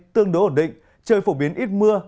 tương đối ổn định trời phổ biến ít mưa